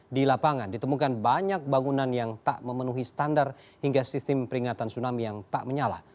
di lapangan ditemukan banyak bangunan yang tak memenuhi standar hingga sistem peringatan tsunami yang tak menyala